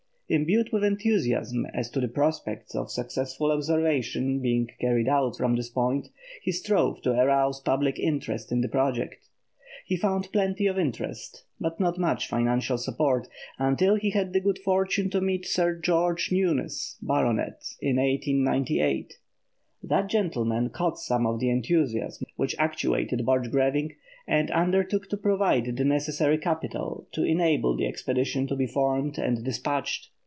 Imbued with enthusiasm as to the prospects of successful observation being carried out from this point, he strove to arouse public interest in the project. He found plenty of interest but not much financial support, until he had the good fortune to meet Sir George Newnes, Bart., in 1898. That gentleman caught some of the enthusiasm which actuated Borchgrevinck, and undertook to provide the necessary capital to enable the expedition to be formed and despatched.